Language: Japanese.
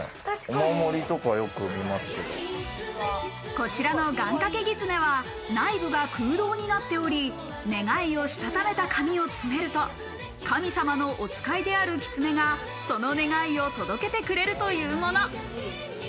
こちらの願掛け狐は内部が空洞になっており、願いをしたためた紙を詰めると神様のおつかいである狐がその願いを届けてくれるというもの。